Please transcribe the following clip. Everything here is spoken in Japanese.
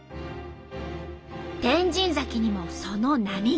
天神崎にもその波が。